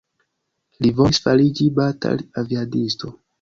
Li volis fariĝi batal-aviadisto.